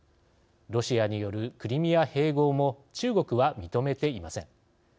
ロシアによるクリミア併合も中国は認めていません。